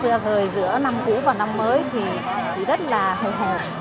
khoảnh khắc giữa năm cũ và năm mới thì chị rất là hồi hộp